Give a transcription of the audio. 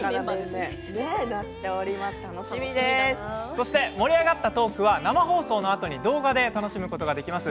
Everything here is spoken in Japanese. そして盛り上がったトークは生放送のあとに動画で楽しむことができます。